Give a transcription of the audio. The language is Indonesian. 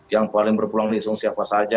yang paling berpulang diusung siapa saja